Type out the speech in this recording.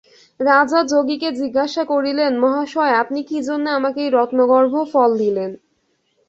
রাজা যোগীকে জিজ্ঞাসা করিলেন, মহাশয় আপনি কী জন্যে আমাকে এই রত্নগর্ভ ফল দিলেন?